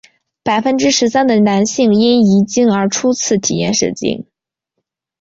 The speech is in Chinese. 百分之十三的男性因遗精而初次体验射精。